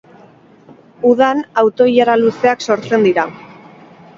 Udan auto ilara luzeak sortzen dira.